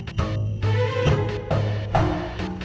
saya akan cerita soal ini